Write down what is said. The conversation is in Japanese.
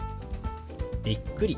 「びっくり」。